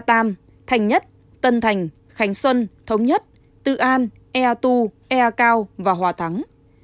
thành nhất tân thành khánh xuân thống nhất tự an ea hai ea cao và hòa thắng